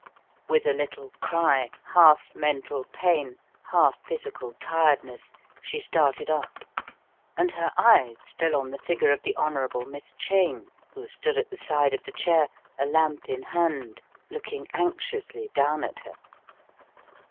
With a little cry, half mental pain, half physical tiredness, she started up, and her eyes fell on the figure of the Honourable Miss Cheyne, who stood at the side of the chair, a lamp in hand, looking anxiously down at her.